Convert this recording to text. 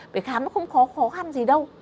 vì khám nó không khó khăn gì đâu